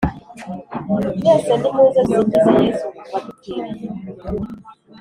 Mwese nimuze dusingize Yesu wadupfiriye